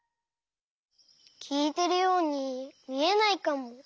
きいてるようにみえないかも。